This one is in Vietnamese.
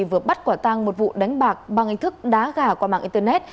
vừa bắt quả tang một vụ đánh bạc bằng hình thức đá gà qua mạng internet